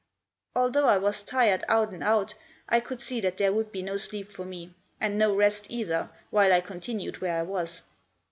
Although I was tired out and out I could see that there would be no sleep for me, and no rest either, while I continued where I was.